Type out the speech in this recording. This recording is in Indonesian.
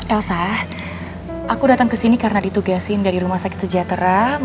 elsa aku datang kesini karena ditugasin dari rumah sakit sejahtera mau vaksin hepatitis b